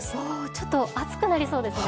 ちょっと暑くなりそうですね。